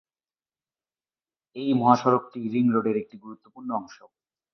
এই মহাসড়কটি ring road একটি গুরুত্বপূর্ণ অংশ।